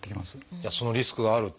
じゃあそのリスクがあると。